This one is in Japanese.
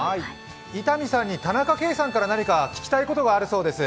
伊丹さんに田中圭さんから何か聞きたいことあるそうです。